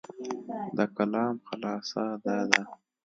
د کلام خلاصه دا ده،